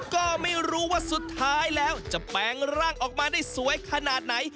ก็ไม่รู้ว่าสุดท้ายแล้วจะแปลงร่างออกมาได้สวยขนาดไหน